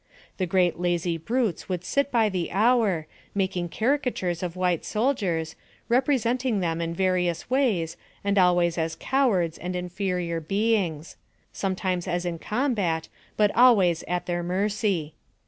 The great lazy brutes would sit by the hour, making carri catures of white soldiers, representing them in various ways, and always as cowards and inferior beings; sometimes as in combat, but always at their mercy.